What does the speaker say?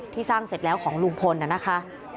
สร้างเสร็จแล้วของลุงพลน่ะนะคะ